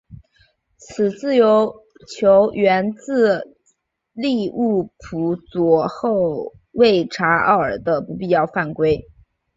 此自由球源自利物浦左后卫查奥尔的不必要犯规。